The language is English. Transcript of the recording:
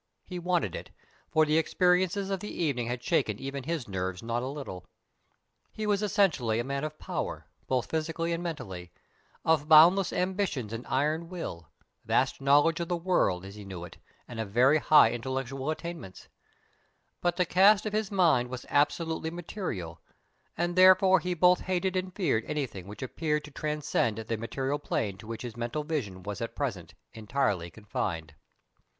He wanted it, for the experiences of the evening had shaken even his nerves not a little. He was essentially a man of power, both physically and mentally, of boundless ambitions and iron will, vast knowledge of the world, as he knew it, and of very high intellectual attainments; but the cast of his mind was absolutely material, and therefore he both hated and feared anything which appeared to transcend the material plane to which his mental vision was at present entirely confined.